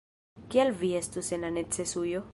Kial vi estus en la necesujo?